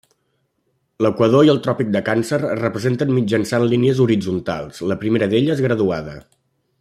L'equador i el tròpic de Càncer es representen mitjançant línies horitzontals, la primera d'elles graduada.